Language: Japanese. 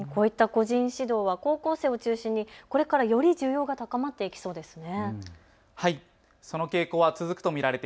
こういった個人指導は高校生を中心にこれから、より需要が高まっていきそうですね。